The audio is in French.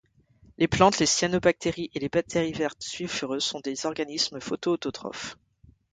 Les plantes, les cyanobactéries et les bactéries vertes sulfureuses, sont des organismes photoautotrophes.